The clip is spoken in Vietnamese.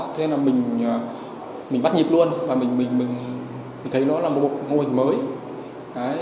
thế nên là mình bắt nhịp luôn và mình thấy nó là một mô hình mới